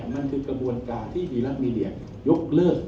มันคือกระบวนการที่วีรักมีเดียยกเลิก